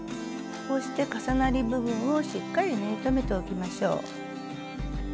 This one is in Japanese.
こうして重なり部分をしっかり縫い留めておきましょう。